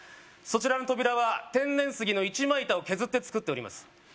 そちらの扉は天然杉の一枚板を削って作っております